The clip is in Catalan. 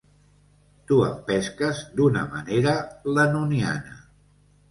T'ho empesques d'una manera lennoniana.